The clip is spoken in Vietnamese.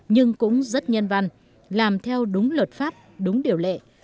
nhưng cũng rất nhân văn làm theo đúng luật pháp đúng điều lệ